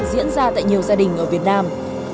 diễn ra tại nhiều gia đình ở việt nam